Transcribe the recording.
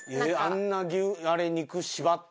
あんなあれ肉縛って？